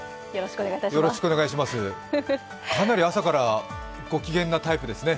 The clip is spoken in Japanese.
かなり朝からご機嫌なタイプですね。